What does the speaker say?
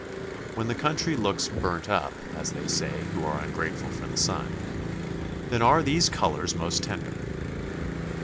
When the country looks "burnt up," as they say who are ungrateful for the sun, then are these colours most tender.